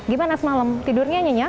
gimana semalam tidurnya nyenyak